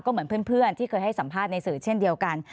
เหมือนเพื่อนที่เคยให้สัมภาษณ์ในสื่อเช่นเดียวกัน